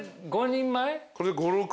５６人前？